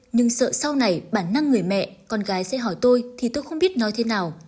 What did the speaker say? nhưng sợ sau này bản năng người mẹ con gái sẽ hỏi tôi thì tôi không biết nói thế nào